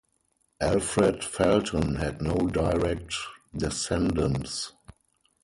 Alfred Felton had no direct descendants.